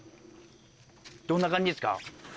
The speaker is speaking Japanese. どんな感じですか？